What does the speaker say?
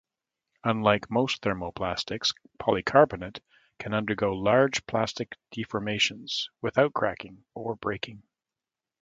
Unlike most thermoplastics, polycarbonate can undergo large plastic deformations without cracking or breaking.